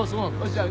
じゃあ。